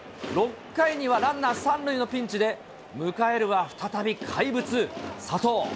６回にはランナー３塁のピンチで、迎えるは再び怪物、佐藤。